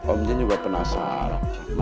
om jin juga penasaran